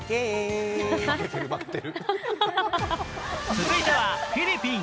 続いてはフィリピン。